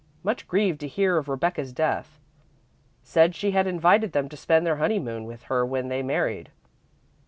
Much grieved to hear of Rebecca's death. Said she had invited them to spend their honeymoon with her when they married.